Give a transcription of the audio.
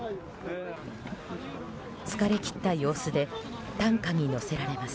疲れ切った様子で担架に乗せられます。